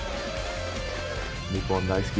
日本大好き。